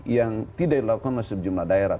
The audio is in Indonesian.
yang tidak dilakukan oleh sejumlah daerah